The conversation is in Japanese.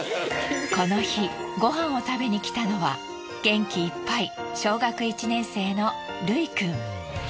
この日ご飯をご飯を食べにきたのは元気いっぱい小学１年生のルイくん。